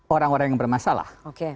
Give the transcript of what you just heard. orang orang yang bermasalah